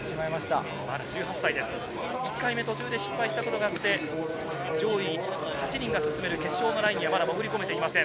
１回目途中で失敗した事があって、上位８人が進める決勝のラインにはまだ潜り込めていません。